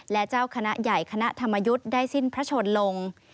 และเจ้าคณะใหญ่คณะธรรมยุทธ์ได้สิ้นพระชนลง